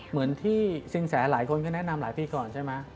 เหมือนที่สินแสหลายคนก็แนะนำหลายปีก่อนใช่ไหม